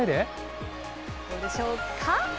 どうでしょうか。